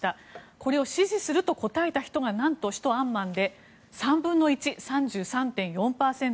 これを支持すると答えた人が何と、首都アンマンで３分の１３３．４％。